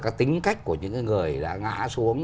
các tính cách của những người đã ngã xuống